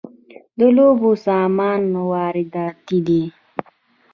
د لوبو سامان وارداتی دی